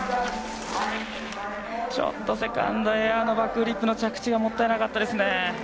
ちょっとセカンドエアのバックフリップの着地がもったいなかったですね。